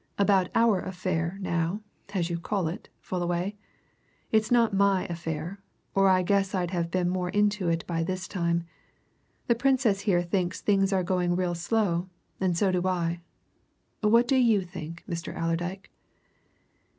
About our affair now, as you call it, Fullaway. It's not my affair, or I guess I'd have been more into it by this time. The Princess here thinks things are going real slow, and so do I. What do you think, Mr. Allerdyke!"